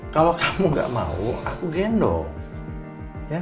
kalau kamu gak mau aku gendong